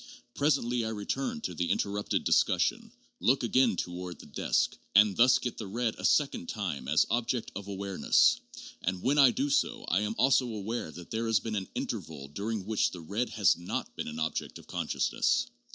Presently I return to the interrupted discussion, look again toward the desk, and thus get the red a second time as object of awareness ; and when I do so I am also aware that there has been an interval during which the red has not been an object of conscious ness.